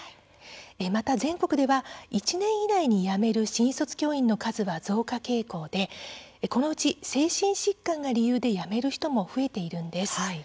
また全国では１年以内に辞める新卒教員の数は増加傾向でこのうち精神疾患が理由で辞める人も増えているんです。